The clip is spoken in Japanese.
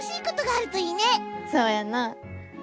そうやな。